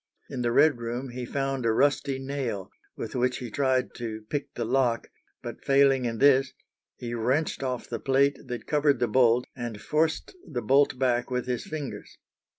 In the "Red room" he found a rusty nail, with which he tried to pick the lock, but failing in this, he wrenched off the plate that covered the bolt and forced the bolt back with his fingers.